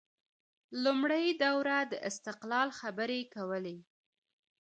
لومړۍ دوره د استقلال خبرې کولې